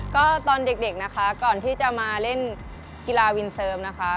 ก็ตอนเด็กนะคะก่อนที่จะมาเล่นกีฬาวินเซิร์มนะคะ